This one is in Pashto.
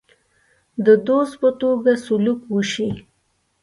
د دوست په توګه سلوک وشي.